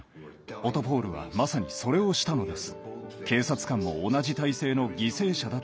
オトポール！はまさにそれをしたのです。